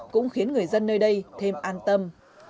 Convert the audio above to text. cũng khiến người dân nơi đây thêm an tâm